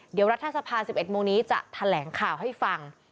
เดี๋ยวรัฐสภา๑๑โมงนี้จะแถลงข่าวให้ฟัง